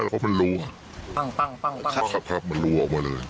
เพราะมันรั่วปั้งปั้งปั้งครับครับครับมันรั่วออกมาเลย